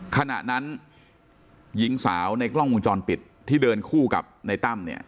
ขณะนั้นหญิงสาวในกล้องวงจรปิดที่เดินคู่กับในตั้มเนี่ย